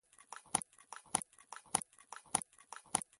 کوم ورزش زما لپاره ښه دی؟